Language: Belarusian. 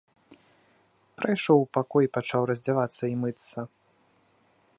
Прайшоў у пакой і пачаў раздзявацца і мыцца.